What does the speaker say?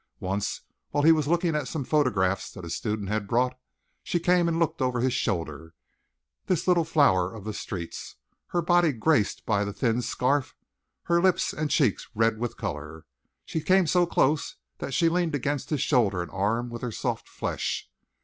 Once, while he was looking at some photographs that a student had brought, she came and looked over his shoulder, this little flower of the streets, her body graced by the thin scarf, her lips and cheeks red with color. She came so close that she leaned against his shoulder and arm with her soft flesh.